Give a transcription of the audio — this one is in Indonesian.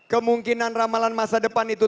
kemungkinan ramalan masa depan itu